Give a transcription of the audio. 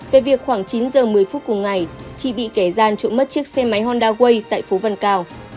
về việc khoảng chín giờ một mươi phút cùng ngày chị bị kẻ gian trộm mất chiếc xe máy honda way tại phố văn cao